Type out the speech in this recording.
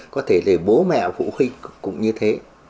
có thể là bố mẹ phụ huynh